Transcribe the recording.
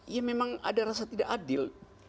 ya memang ada rasa tidak adil